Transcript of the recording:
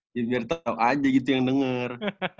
biar tahu aja gitu yang denger